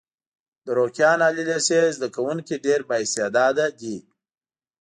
د روکيان عالي لیسې زده کوونکي ډېر با استعداده دي.